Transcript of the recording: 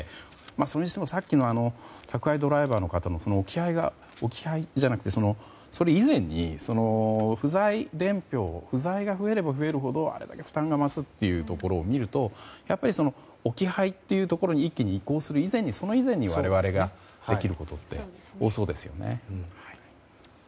それにしても宅配ドライバーの置き配以前に不在が増えれば増えるほどあれだけ負担が増すところを見ると置き配というところに一気に移行する以前に我々ができることって多そうですよね。